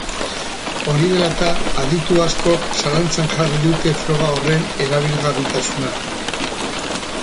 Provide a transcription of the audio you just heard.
Hori dela eta, aditu askok zalantzan jarri dute froga horren erabilgarritasuna.